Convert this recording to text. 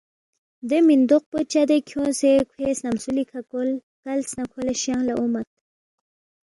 دے مِندوق پو چدے کھیونگسے کھوے سنمسُولی کھہ کول، کلس نہ کھو لہ شنگ لہ اونگمت